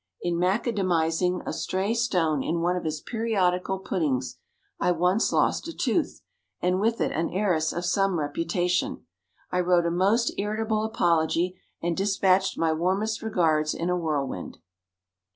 In macadamizing a stray stone in one of his periodical puddings, I once lost a tooth, and with it an heiress of some reputation. I wrote a most irritable apology, and despatched my warmest regards in a whirlwind.